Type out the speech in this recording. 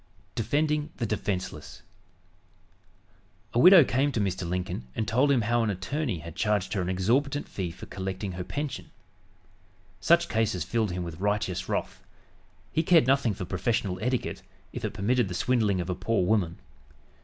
DEFENDING THE DEFENSELESS A widow came to Mr. Lincoln and told him how an attorney had charged her an exorbitant fee for collecting her pension. Such cases filled him with righteous wrath. He cared nothing for "professional etiquette," if it permitted the swindling of a poor woman.